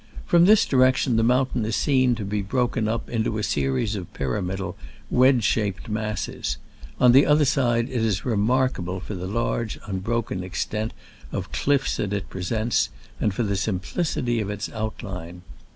From this direction the mountain is seen to be broken up into a series of pyramidal, wedge shaped masses : on the other side it is remark able for the large, unbroken extent of cliffs that it presents, and for the sim plicity of its outline.